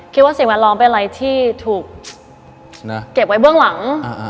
สิ่งแวดล้อมเป็นอะไรที่ถูกเก็บไว้เบื้องหลัง